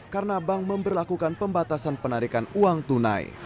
karena bank memperlakukan pembatasan penarikan uang tunai